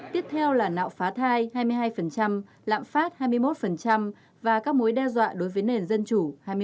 tiếp theo là nạo phá thai hai mươi hai lạm phát hai mươi một và các mối đe dọa đối với nền dân chủ hai mươi tám